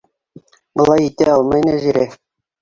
Былай итә алмай Нәзирә.